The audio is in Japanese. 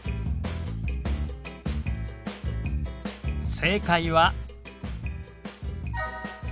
正解は。